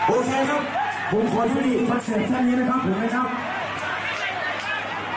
โอเคครับผมขอยุ่นดีอีกประเทศแค่นี้นะครับเผื่อไหมครับ